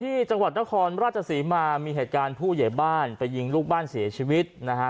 ที่จังหวัดนครราชศรีมามีเหตุการณ์ผู้ใหญ่บ้านไปยิงลูกบ้านเสียชีวิตนะฮะ